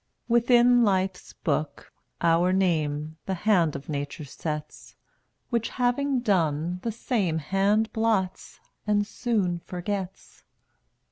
an Within Life's book our name The hand of nature sets, Which having done, the same Hand blots, and soon forgets.